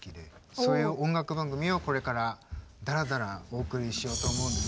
そういう音楽番組をこれからだらだらお送りしようと思うんです。